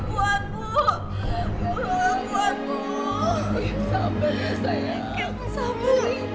ya allah buat bu